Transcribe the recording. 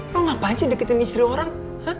roh ngapain sih deketin istri orang